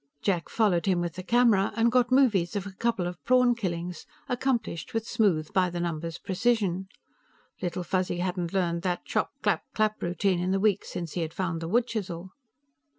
Jack followed him with the camera and got movies of a couple of prawn killings, accomplished with smooth, by the numbers precision. Little Fuzzy hadn't learned that chop clap clap routine in the week since he had found the wood chisel.